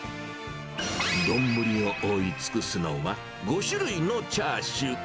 丼を覆い尽くすのは５種類のチャーシュー。